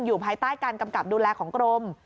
ภายใต้การกำกับดูแลของกรม